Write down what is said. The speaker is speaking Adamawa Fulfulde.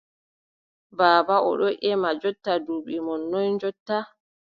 Baaba, o ɗon ƴema jonta duuɓi mon noy jonta ?